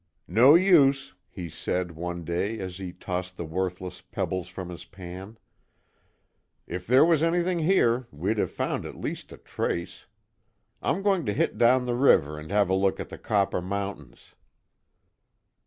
"No use," he said, one day as he tossed the worthless pebbles from his pan. "If there was anything here, we'd have found at least a trace. I'm going to hit down the river and have a look at the Copper Mountains."